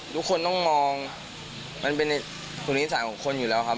ทุกคนต้องมองมันเป็นคุณนิสัยของคนอยู่แล้วครับ